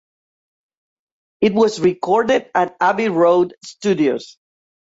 It was recorded at Abbey Road Studios.